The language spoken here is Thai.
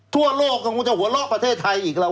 ทั่วโลกก็คงจะหัวเราะประเทศไทยอีกแล้ว